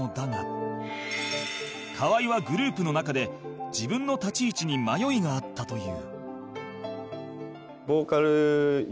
河合はグループの中で自分の立ち位置に迷いがあったという